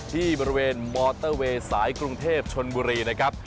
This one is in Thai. ที่บริเวณมอเตอร์เวย์สายกรุงเทพชนบุรีนะครับ